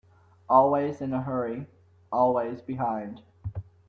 Always in a hurry, always behind.